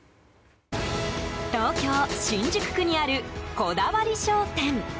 東京・新宿区にあるこだわり商店。